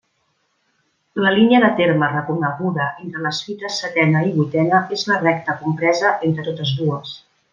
La línia de terme reconeguda entre les fites setena i vuitena és la recta compresa entre totes dues.